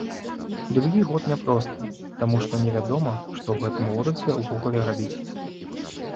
Другі год няпросты, таму што невядома, што ў гэтым горадзе ўвогуле рабіць.